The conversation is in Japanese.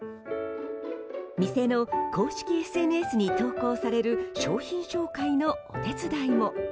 店の公式ＳＮＳに投稿される商品紹介のお手伝いも。